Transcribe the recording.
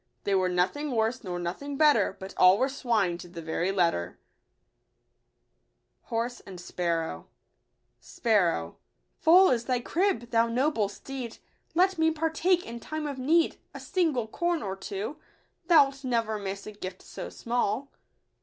They were nothing worse nor nothing better, But all were swine to the very letter ! Sparrow ,—" Full is thy crib, thou noble steed, Let me partake, in time of need, A single corn or two ; Thou'lt never miss a gift so small."